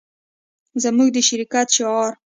زموږ د شرکت شعار